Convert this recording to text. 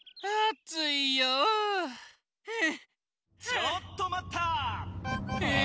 ・ちょっとまった！え？